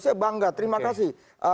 saya bangga terima kasih